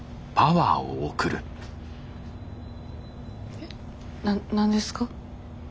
えっな何ですか？